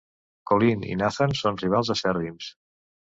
Colin i Nathan són rivals acèrrims.